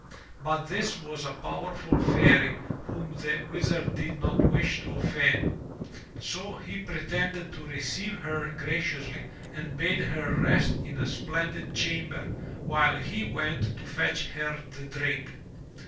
But this was a powerful Fairy whom the Wizard did not wish to offend, so he pretended to receive her graciously and bade her rest in a splendid chamber while he went to fetch her the drink.